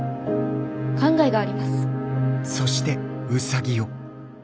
考えがあります。